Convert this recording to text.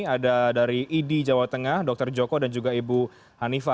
ada dari idi jawa tengah dr joko dan juga ibu hanifa